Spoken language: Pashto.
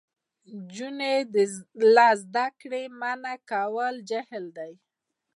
نجونې له زده کړې منع کول جهل دی.